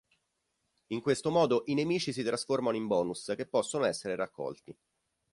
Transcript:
In questo modo i nemici si trasformano in bonus che possono essere raccolti.